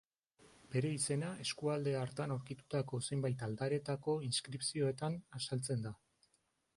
Bere izena eskualde hartan aurkitutako zenbait aldaretako inskripzioetan azaltzen da.